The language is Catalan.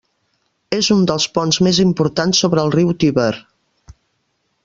És un dels ponts més importants sobre el riu Tíber.